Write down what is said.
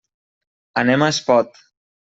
Anem a Espot.